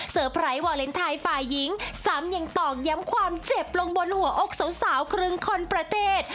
ไพรส์วาเลนไทยฝ่ายหญิงซ้ำยังตอกย้ำความเจ็บลงบนหัวอกสาวครึ่งคนประเทศ